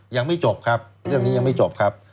ยังไม่จบครับเรื่องนี้ยังไม่จบครับ